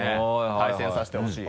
対戦させてほしい。